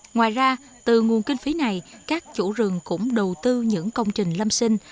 ngoài ra từ nguồn kinh phí này các chủ rừng cũng đầu tư những công trình lâm sinh